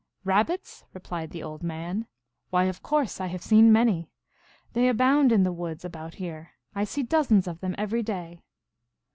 " Rabbits !" replied the old man. " Why, of course I have seen many. They abound in the woods about here. I see dozens of them every day."